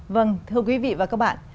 vâng thưa quý vị và các bạn